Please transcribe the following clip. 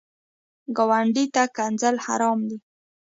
ګاونډي ته ښکنځل حرام دي